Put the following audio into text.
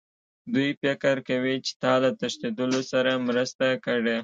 دوی فکر کوي چې تا له تښتېدلو سره مرسته کړې